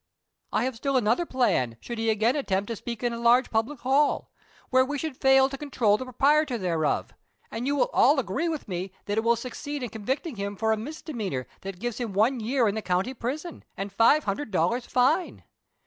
"I have still another plan should he again attempt to speak in a large public hall, where we should fail to con trol the proprietor thereof ; and you will all agree with me 116 THE SOCIAL WAE OF 1900; OR, that it will succeed in convicting him for a misdemeanor that gives him one year in the county prison, and hve hun dred dollars tine.